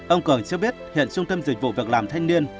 ông cường cho biết hiện trung tâm dịch vụ việc làm thanh niên